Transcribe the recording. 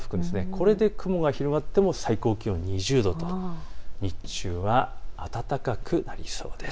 これで雲が広がっても最高気温２０度と日中は暖かくなりそうです。